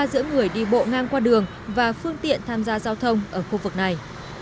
giữa người đi bộ ngang qua đường và phương tiện tham gia giao thông ở khu vực này